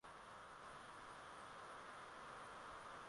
Karume alifanya kazi katika meli zilizokuwa na leseni ya kufanya kazi